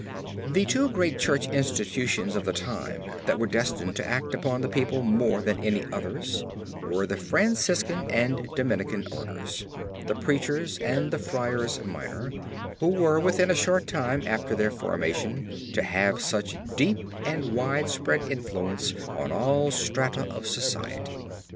The two great church institutions of the time that were destined to act upon the people more than any others were the Franciscan and Dominican orders the preachers and the friars minor, who were within a short time after their formation to have such deep and widespread influence on all strata of society.